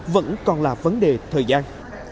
vẫn còn là vấn đề thời gian